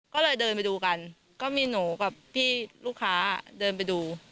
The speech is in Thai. ก็เลยเดินไปดูกันก็มีหนูกับพี่ลูกค้าเดินไปดู